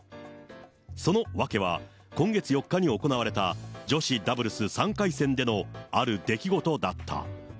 その訳は、今月４日に行われた女子ダブルス３回戦でのある出来事だった。